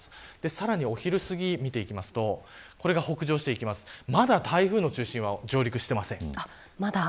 さらにお昼すぎを見ていきますと北上していって、まだ台風の中心は上陸していません。